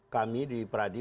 kami di peradi